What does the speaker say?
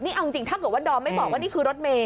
นี่เอาจริงถ้าเกิดว่าดอมไม่บอกว่านี่คือรถเมย